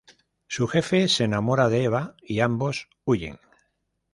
Su jefe se enamora de Eva y ambos huyen.